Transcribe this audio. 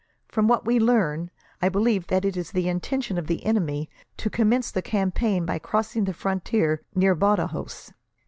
From what we learn, I believe that it is the intention of the enemy to commence the campaign by crossing the frontier, near Badajos.